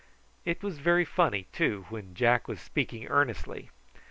It was very funny, too, when Jack was speaking earnestly.